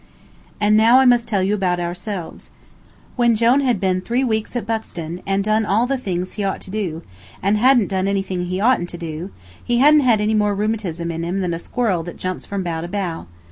And now I must tell you about ourselves. When Jone had been three weeks at Buxton, and done all the things he ought to do, and hadn't done anything he oughtn't to do, he hadn't any more rheumatism in him than a squirrel that jumps from bough to bough.